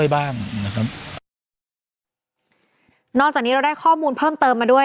บนอาทิตย์